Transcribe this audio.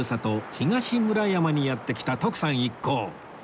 東村山にやって来た徳さん一行